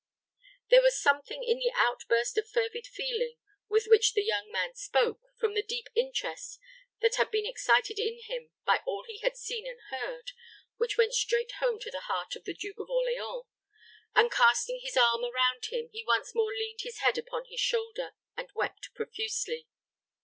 There was something in the outburst of fervid feeling with which the young man spoke, from the deep interest that had been excited in him by all he had seen and heard, which went straight home to the heart of the Duke of Orleans, and casting his arm around him, he once more leaned his head upon his shoulder, and wept profusely.